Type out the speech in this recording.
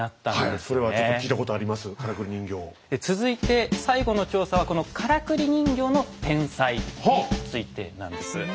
続いて最後の調査はこのからくり人形の天才についてなんです。